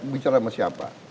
bicara sama siapa